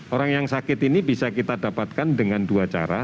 orang yang sakit ini bisa kita dapatkan dengan dua cara